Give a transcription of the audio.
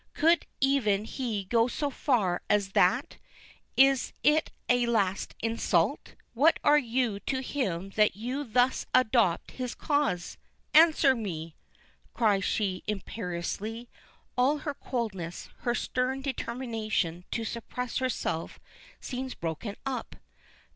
Could even he go so far as that? Is it a last insult? What are you to him that you thus adopt his cause. Answer me!" cries she imperiously; all her coldness, her stern determination to suppress herself, seems broken up.